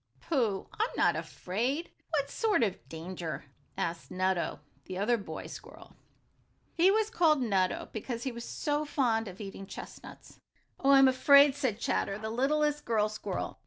"Pooh, I'm not afraid! What sort of danger?" asked Nutto, the other boy squirrel. He was called Nutto because he was so fond of eating chestnuts. "Oh, I'm afraid," said Chatter, the littlest girl squirrel.